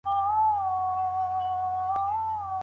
کوم ناروغان باید روژه ونه نیسي؟